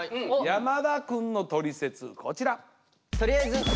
山田くんのトリセツこちら。